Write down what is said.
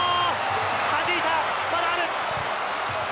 はじいた、まだある。